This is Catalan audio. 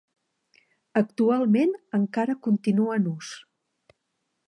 Actualment encara continua en ús.